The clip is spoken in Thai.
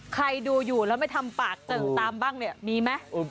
ใครดูอยู่แล้วไม่ทำปากเติ่งตามบ้างเนี่ยมีไหม